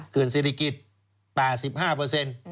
ศิริกิจ๘๕เปอร์เซ็นต์